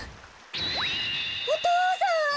お父さん。